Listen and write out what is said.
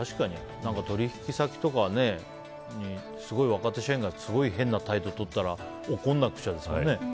取引先とかにすごい若手社員がすごい変な態度とったら怒らなきゃですもんね。